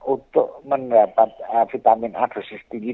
untuk mendapat vitamin a dosis tinggi